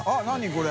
これ。